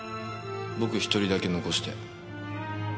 僕１人だけ残して。